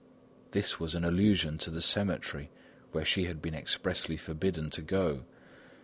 This was an allusion to the cemetery where she had been expressly forbidden to go.